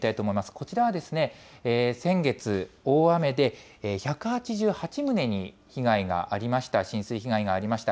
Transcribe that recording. こちらは先月、大雨で１８８棟に被害がありました、浸水被害がありました。